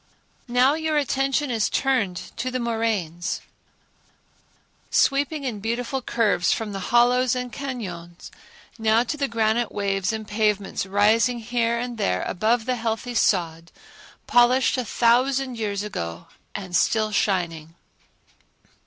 Now your attention is turned to the moraines, sweeping in beautiful curves from the hollows and cañons, now to the granite waves and pavements rising here and there above the heathy sod, polished a thousand years ago and still shining.